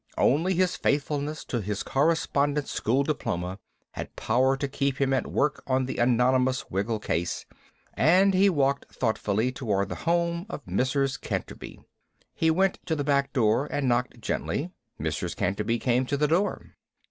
Only his faithfulness to his Correspondence School diploma had power to keep him at work on the Anonymous Wiggle case, and he walked thoughtfully toward the home of Mrs. Canterby. He went to the back door and knocked gently. Mrs. Canterby came to the door.